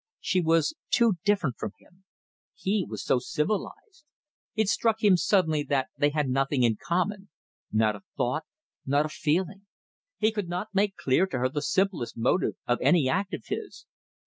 She was too different from him. He was so civilized! It struck him suddenly that they had nothing in common not a thought, not a feeling; he could not make clear to her the simplest motive of any act of his